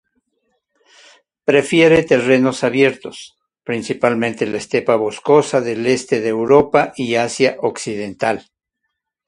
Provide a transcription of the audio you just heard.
Prefiere terrenos abiertos, principalmente la estepa boscosa del este de Europa y Asia occidental.